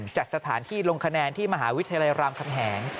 จัดสถานที่ลงคะแนนที่มหาวิทยาลัยรามคำแหง